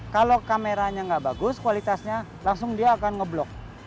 kalau kameranya nggak bagus kualitasnya langsung dia akan ngeblok